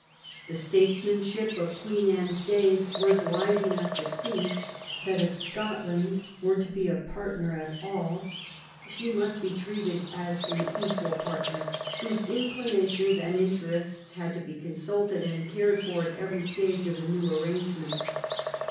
The statesmanship of Queen Anne's days was wise enough to see that if Scotland were to be a partner at all, she must be treated as an equal partner, whose inclinations and interests had to be consulted and cared for at every stage of the new ar rangement.